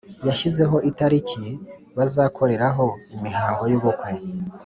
yashyizeho italiki bazakoreraho imihango y’ubukwe